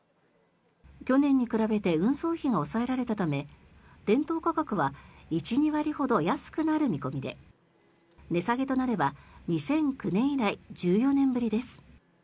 去年に比べて運送費が抑えられたため店頭価格は１２割ほど安くなる見込みで値下げとなれば２００９年以来１４年ぶりです。